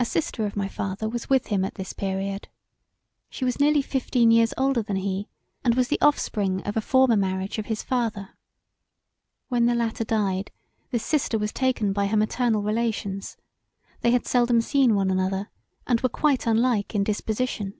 A sister of my father was with him at this period. She was nearly fifteen years older than he, and was the offspring of a former marriage of his father. When the latter died this sister was taken by her maternal relations: they had seldom seen one another, and were quite unlike in disposition.